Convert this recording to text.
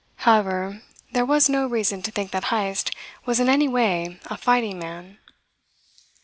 However, there was no reason to think that Heyst was in any way a fighting man.